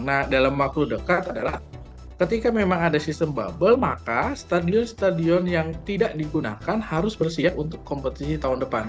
nah dalam waktu dekat adalah ketika memang ada sistem bubble maka stadion stadion yang tidak digunakan harus bersiap untuk kompetisi tahun depan